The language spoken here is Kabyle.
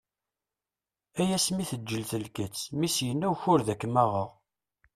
Ay asmi teǧǧel telket, mi s-yenna ukured ad kem-aɣeɣ!